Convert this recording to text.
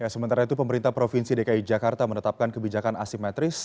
sementara itu pemerintah provinsi dki jakarta menetapkan kebijakan asimetris